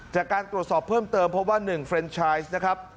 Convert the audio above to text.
จากการตรวจสอบเพิ่มเติมพบว่า๑เฟรนชายนะครับ